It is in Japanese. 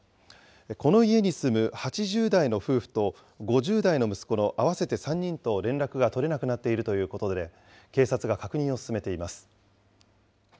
この家に住む８０代の夫婦と５０代の息子の合わせて３人と連絡が取れなくなっているということで、警察が確認を進めています。